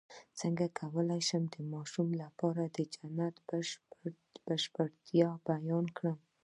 څنګه کولی شم د ماشومانو لپاره د جنت د بشپړتیا بیان کړم